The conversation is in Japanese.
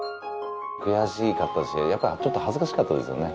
悔しかったですしやっぱりちょっと恥ずかしかったですよね。